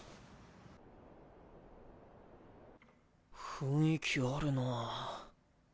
雰囲気あるなぁ。